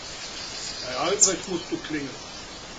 Bei Albrecht musst du klingeln.